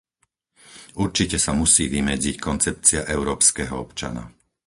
Určite sa musí vymedziť koncepcia európskeho občana.